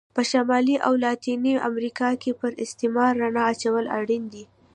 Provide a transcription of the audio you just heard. په شمالي او لاتینې امریکا کې پر استعمار رڼا اچول اړین دي.